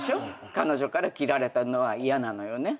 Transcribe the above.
彼女から切られたのは嫌なのよね。